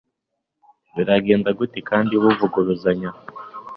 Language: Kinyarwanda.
biragenda gute kandi buvuguruzanya